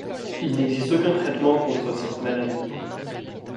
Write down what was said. Il n'existe aucun traitement contre cette maladie.